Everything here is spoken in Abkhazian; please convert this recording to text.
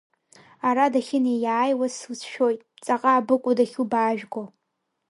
Ара дахьынеиааиуа слыцәшәоит, ҵаҟа абыкәу дахьлыбаажәго?!